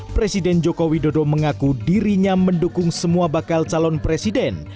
presiden joko widodo mengaku dirinya mendukung semua bakal calon presiden